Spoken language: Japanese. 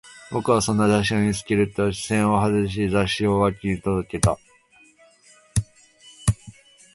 僕はそんな雑誌を見つけると、視線を外し、雑誌を脇にどけた